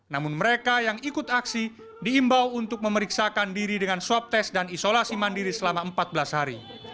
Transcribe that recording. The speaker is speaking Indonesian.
namun mereka yang ikut aksi diimbau untuk memeriksakan diri dengan swab test dan isolasi mandiri selama empat belas hari